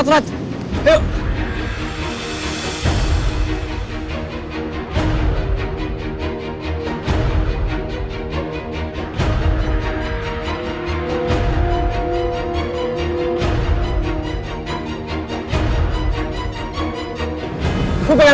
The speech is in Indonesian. wah wah cepetan wah